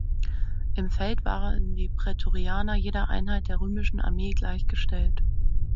Im Feld waren die Prätorianer jeder Einheit der römischen Armee gleichgestellt.